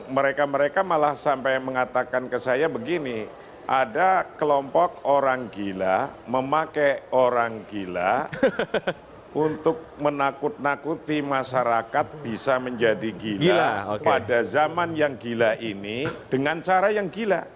mereka mereka malah sampai mengatakan ke saya begini ada kelompok orang gila memakai orang gila untuk menakut nakuti masyarakat bisa menjadi gila pada zaman yang gila ini dengan cara yang gila